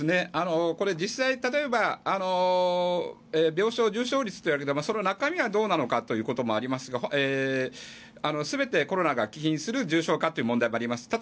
これ、実際に例えば、病床利用率といってもその中身はどうなのかということもありますが全てコロナが起因する重症化という問題もあります。